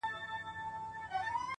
کنجکاوي د پوهې سرچینه ده،